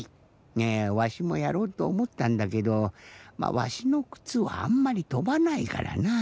わしもやろうとおもったんだけどわしのくつはあんまりとばないからなぁ。